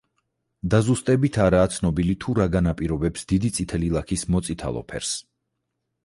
დაზუსტებით არაა ცნობილი თუ რა განაპირობებს დიდი წითელი ლაქის მოწითალო ფერს.